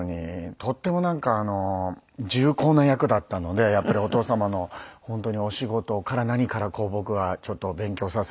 とってもなんか重厚な役だったのでやっぱりお父様の本当にお仕事から何から僕はちょっと勉強させて頂いて。